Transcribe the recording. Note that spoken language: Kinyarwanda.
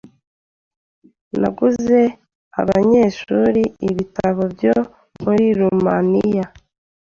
Naguze abanyeshuri ibitabo byo muri Rumaniya.